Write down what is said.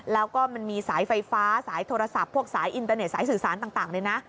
แล้วก็มันมีสายไฟฟ้าสายโทรศัพท์พวกสายอินเตอร์เน็ตสายสื่อสารต่างเลยนะ